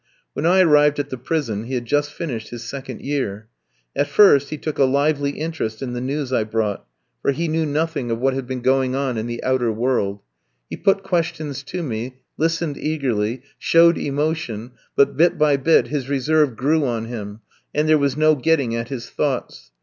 When I arrived at the prison he had just finished his second year. At first he took a lively interest in the news I brought, for he knew nothing of what had been going on in the outer world; he put questions to me, listened eagerly, showed emotion, but, bit by bit, his reserve grew on him and there was no getting at his thoughts.